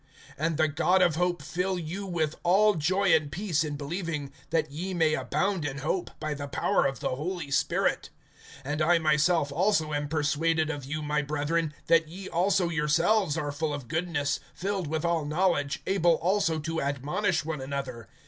(13)And the God of hope fill you with all joy and peace in believing, that ye may abound in hope, by the power of the Holy Spirit. (14)And I myself also am persuaded of you, my brethren, that ye also yourselves are full of goodness, filled with all knowledge, able also to admonish one another.